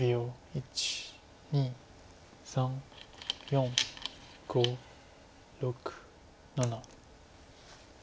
１２３４５６７。